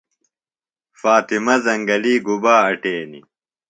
فاطمہ زنگلیۡ گُبا اٹینیۡ؟